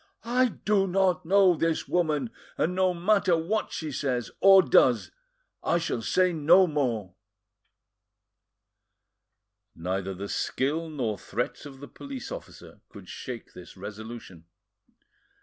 I do not know this woman, and no matter what she says or does, I shall say no more." Neither the skill nor threats of the police officer could shake this resolution.